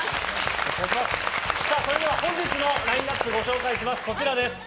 それでは、本日のラインアップご紹介します。